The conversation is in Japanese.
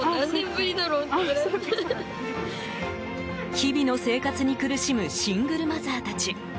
日々の生活に苦しむシングルマザーたち。